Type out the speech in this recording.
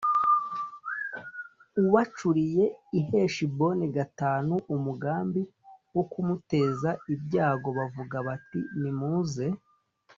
u Bacuriye i Heshiboni v umugambi wo kumuteza ibyago bavuga bati nimuze